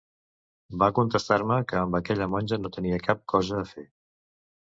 Va contestar-me que amb aquella monja no tenia cap cosa a fer.